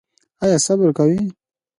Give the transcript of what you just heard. ایا صبر کوئ؟